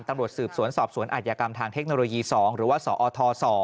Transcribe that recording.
ตำรวจสืบสวนสอบสวนอาจยากรรมทางเทคโนโลยี๒หรือว่าสอท๒